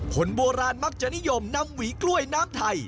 คนโบราณมักจะนิยมนำหวีกล้วยน้ำไทย